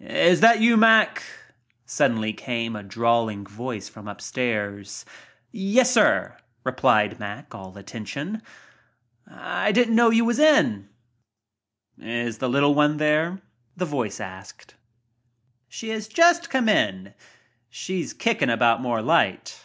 "Is that you, Mack?" suddenly came a drawling voice from upstairs. sir," replied Mack, all attention. "I didn't know you was in." .. 28 *J "Is the little one there?" asked the voice. "She has just came. She's kicking about more light.